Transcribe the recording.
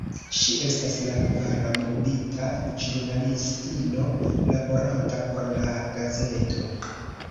Ŝi estas la kvara murdita ĵurnalistino laboranta por la gazeto.